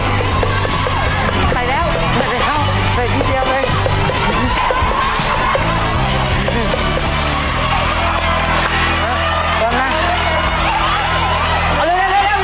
เอาแล้วค่ะเผ็ดเป็นที่เรียบร้อยแล้วนะ